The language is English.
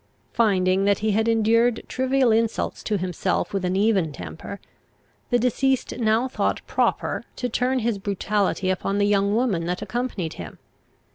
Finding that he had endured trivial insults to himself with an even temper, the deceased now thought proper to turn his brutality upon the young woman that accompanied him.